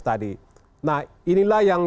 tadi nah inilah yang